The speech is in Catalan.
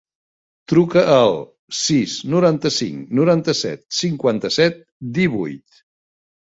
Truca al sis, noranta-cinc, noranta-set, cinquanta-set, divuit.